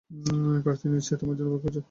কার্তি নিশ্চয়ই তোমার জন্য অপেক্ষা করছে।